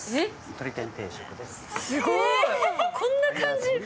すごい、こんな感じ！？